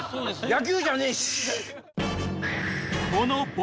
野球じゃねえし！